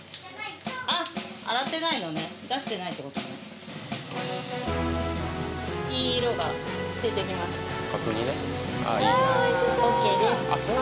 あっ洗ってないのね出してないってことねわおいしそう！